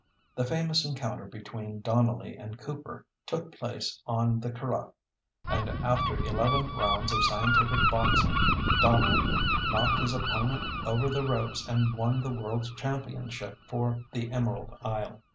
The famous encounter between Donnelly and Cooper took place on the Curragh, and after eleven rounds of scientific boxing Donnelly knocked his opponent over the ropes and won the world's championship for the Emerald Isle.